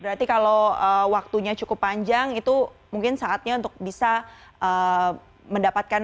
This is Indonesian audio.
berarti kalau waktunya cukup panjang itu mungkin saatnya untuk bisa mendapatkan